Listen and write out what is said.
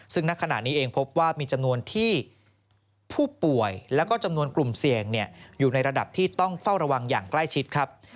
ซึ่งณขณะนี้เองพบว่ามีจำนวนที่ผู้ป่วยแล้วก็จำนวนกลุ่มเสี่ยงอยู่ในระดับที่ต้องเฝ้าระวังอย่างใกล้ชิดครับ